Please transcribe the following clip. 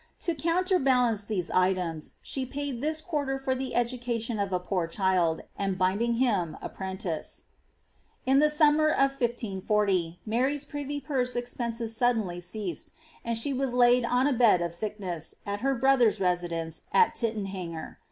To counterLU lance these items, ahe paid this quarter for the education of a poor chill, and binding him apprentice. In the summer of 1540, Mar\'"'8 privy purse expenses sudderiy ceased, and she was laid on a bed of sickness, at her brother's residence at Tiiten hanger.